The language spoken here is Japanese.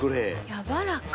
やわらか。